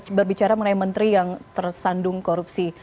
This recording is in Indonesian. kita akan meminolu juga mengenai menteri yang tersandung korupsi